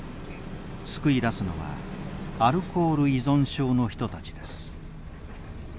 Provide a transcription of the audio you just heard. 救い出すのはアルコール依存症の人たちです。